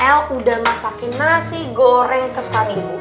el udah masakin nasi goreng kesukaan ibu